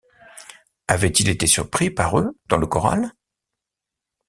Avait-il été surpris par eux dans le corral?